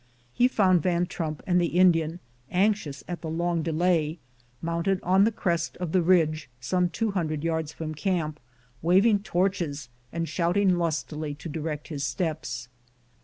He found Van Trump and the Indian, anxious at the long delay, mounted on the crest of the ridge some two hundred yards from camp, waving torches and shouting lustily to direct his steps.